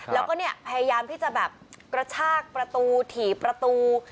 แล้วก็เนี่ยพยายามที่จะแบบกระชากประตูถี่ประตู